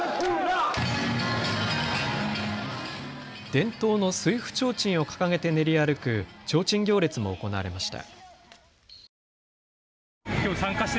伝統の水府提灯を掲げて練り歩くちょうちん行列も行われました。